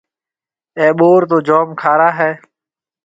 اَي ٻُور تو جوم کارا هيَ۔